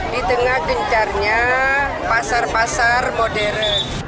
di tengah gencarnya pasar pasar modern